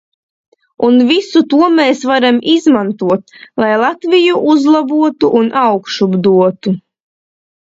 Un visu to mēs varam izmantot, lai Latviju uzlabotu un augšup dotu.